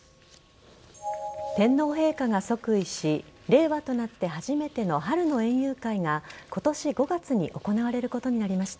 天皇陛下が即位し令和となって初めての春の園遊会が今年５月に行われることになりました。